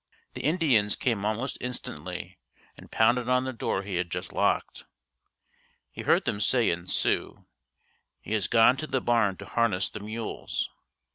The Indians came almost instantly and pounded on the door he had just locked. He heard them say in Sioux "He has gone to the barn to harness the mules."